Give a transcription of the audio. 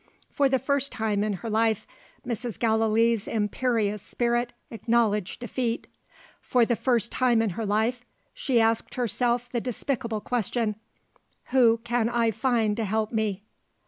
For the first time in her life, Mrs. Gallilee's imperious spirit acknowledged defeat. For the first time in her life, she asked herself the despicable question: Who can I find to help me?